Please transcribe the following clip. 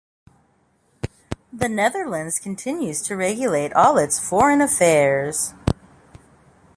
The Netherlands continues to regulate all its foreign affairs.